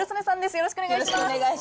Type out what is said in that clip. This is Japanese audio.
よろしくお願いします。